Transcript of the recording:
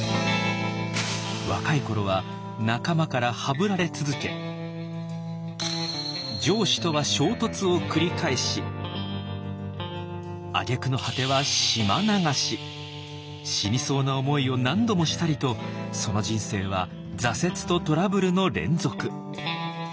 若い頃は仲間からハブられ続け上司とは衝突を繰り返しあげくの果ては死にそうな思いを何度もしたりとその人生は挫折とトラブルの連続。